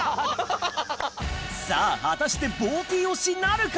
さぁ果たして棒Ｔおしなるか？